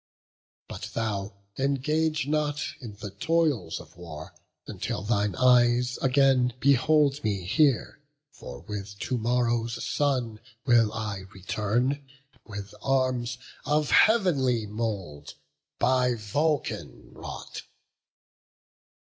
But thou, engage not in the toils of war, Until thine eyes again behold me here; For with to morrow's sun will I return With arms of heav'nly mould, by Vulcan wrought."